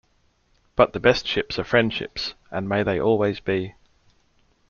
But the best ships are friendships, and may they always be.